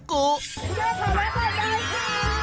บอกว่าเวลาหมดได้ครับ